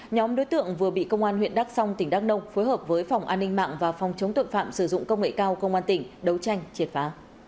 nhóm đối tượng vừa bị công an huyện đắk song tỉnh đắk nông phối hợp với phòng an ninh mạng và phòng chống tội phạm sử dụng công nghệ cao công an tỉnh đấu tranh triệt phá